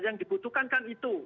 yang dibutuhkan kan itu